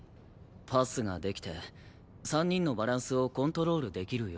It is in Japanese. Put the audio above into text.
パスができて３人のバランスをコントロールできるような。